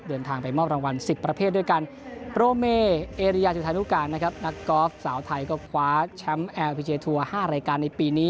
เดินทางไปมอบรางวัล๑๐ประเภทด้วยกันโปรเมเอเรียจุธานุการนะครับนักกอล์ฟสาวไทยก็คว้าแชมป์แอร์พีเจทัวร์๕รายการในปีนี้